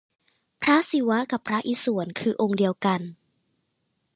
พระศิวะกับพระอิศวรคือองค์เดียวกัน